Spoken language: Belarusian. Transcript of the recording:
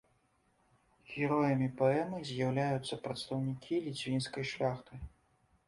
Героямі паэмы з'яўляюцца прадстаўнікі ліцвінскай шляхты.